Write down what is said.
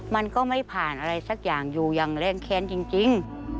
มันก็ไม่ผ่านอะไรสักอย่างอยู่อย่างแรงแค้นจริง